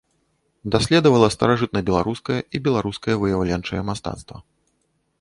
Даследавала старажытнабеларускае і беларускае выяўленчае мастацтва.